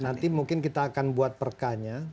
nanti mungkin kita akan buat perkanya